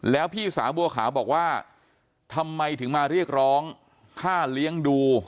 แล้วพี่สาวบัวขาวบอกว่าทำไมถึงมาเรียกร้องค่าเลี้ยงดู